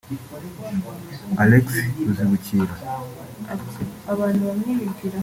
Alex Ruzibukira